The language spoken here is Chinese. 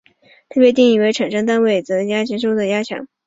它被定义为产生单位相对体积收缩所需的压强。